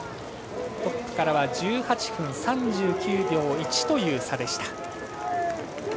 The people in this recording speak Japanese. トップからは１８分３９秒１という差でした。